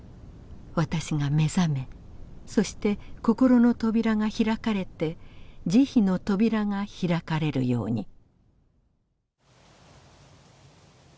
私が目覚めそして心の扉が開かれて慈悲の扉が開かれるように」。